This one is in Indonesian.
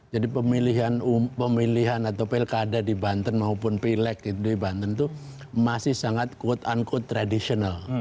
jadi pemilihan atau pilkada di banten maupun pilek di banten itu masih sangat quote unquote tradisional